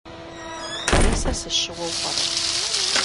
Е сэ сыщыуэу пӏэрэ?